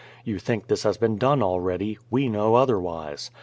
You think this has been done already; we know otherwise.